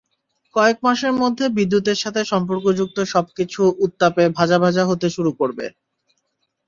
কয়েক মাসের মধ্যে বিদ্যুতের সাথে সম্পর্কযুক্ত সবকিছু উত্তাপে ভাজাভাজা হতে শুরু করবে!